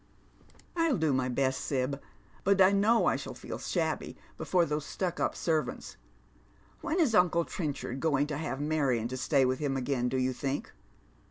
" I'll do my best, Sib, but T know I shall feel shabby before those stuck up servants. When is uncle Trenchard going to have Clarion to stay with him again, do you think